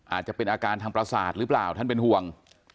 อาจจะเป็นอาการทางประสาทหรือเปล่าท่านเป็นห่วง